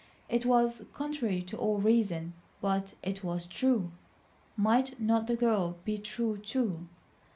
It was contrary to all reason, but it was true. Might not the girl be true too?